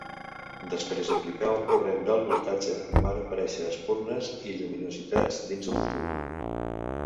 Després aplicar un corrent d'alt voltatge van aparèixer espurnes i lluminositats dins del tub.